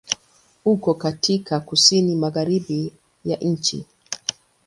Uko katika Kusini Magharibi ya nchi.